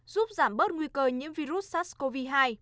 giúp giảm bớt nguy cơ nhiễm virus sars cov hai